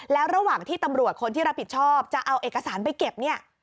แล้วระหว่างที่ตำรวจคนที่รับผิดชอบจะเอาเอกสารไปเก็บเนี่ย